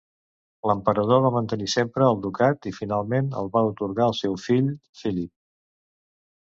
L'emperador va mantenir sempre el ducat i finalment el va atorgar al seu fill Philip.